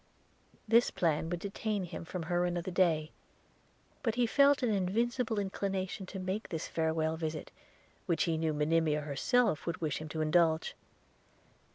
This plan would detain him from her another day; but he felt an invincible inclination to make this farewell visit, which he knew Monimia herself would wish him to indulge.